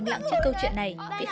cả hàng này cả hàng này đâu